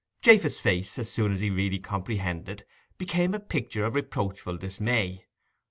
Japheth's face, as soon as he really comprehended, became a picture of reproachful dismay.